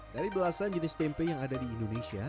dari belasan jenis tempe yang ada di indonesia